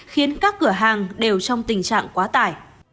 khiến các cửa hàng đều trong tình trạng quá tải